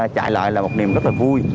chạy lại là một niềm rất là vui